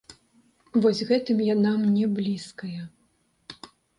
Вось гэтым яна мне блізкая.